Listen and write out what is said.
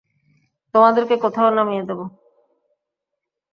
তোমাদেরকে কোথাও নামিয়ে দেব?